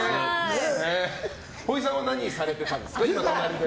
ほいさんは何されてたんですか隣で。